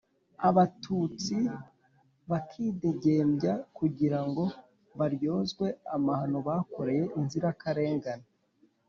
Abatutsi bakidegembya kugirango baryozwe amahano bakoreye inzirakarengane